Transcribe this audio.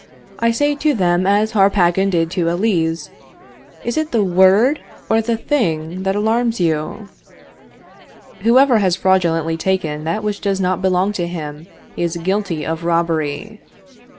I say to them as Harpagon did to Elise, Is it the word or the thing that alarms you? Whoever has fraudulently taken that which does not belong to him, is guilty of robbery.